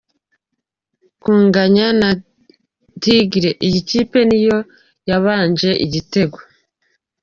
kunganya na Tigre. Iyi kipe ni yo yabanje igitego